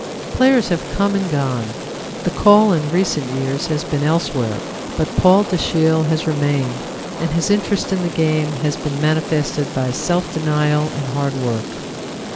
Players have come and gone; the call in recent years has been elsewhere, but Paul Dashiell has remained, and his interest in the game has been manifested by self denial and hard work.